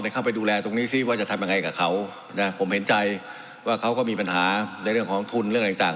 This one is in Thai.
เข้าไปดูแลตรงนี้ซิว่าจะทำยังไงกับเขานะผมเห็นใจว่าเขาก็มีปัญหาในเรื่องของทุนเรื่องอะไรต่าง